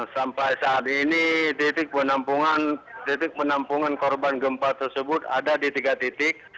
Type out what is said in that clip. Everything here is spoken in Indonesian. sampai saat ini titik penampungan korban gempa tersebut ada di tiga titik